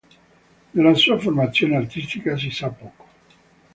Della sua formazione artistica si sa poco.